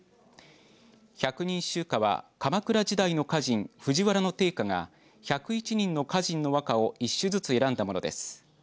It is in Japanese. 百人秀歌は鎌倉時代の歌人藤原定家が１０１人の歌人の和歌を一首ずつ選んだものです。